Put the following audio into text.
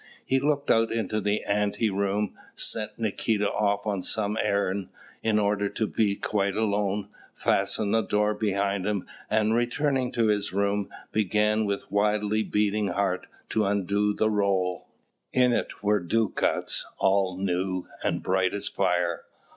He looked out into the ante room, sent Nikita off on some errand, in order to be quite alone, fastened the door behind him, and, returning to his room, began with wildly beating heart to undo the roll. In it were ducats, all new, and bright as fire.